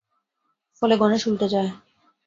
ফলে গণেশ উল্টে যায়।